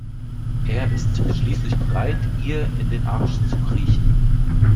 Er ist schließlich bereit ihr in den Arsch zu kriechen.